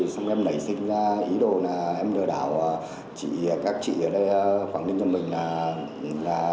xong rồi em nảy sinh ý đồ là em lừa đảo các chị ở đây quảng ninh cho mình là